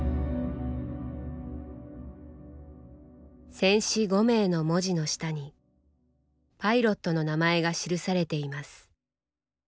「戦死５名」の文字の下にパイロットの名前が記されています。